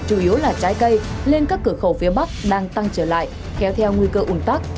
chủ yếu là trái cây lên các cửa khẩu phía bắc đang tăng trở lại kéo theo nguy cơ ủn tắc